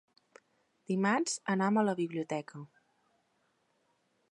Dimarts anam a la biblioteca.